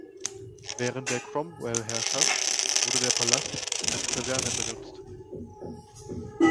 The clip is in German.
Während der Cromwell-Herrschaft wurde der Palast als Kaserne benutzt.